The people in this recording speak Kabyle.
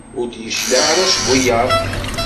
Ur d-yecliɛ ara seg wiyaḍ.